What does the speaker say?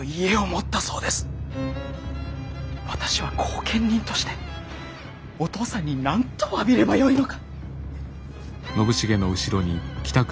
私は後見人としてお義父さんに何とわびればよいのか。